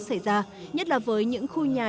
xảy ra nhất là với những khu nhà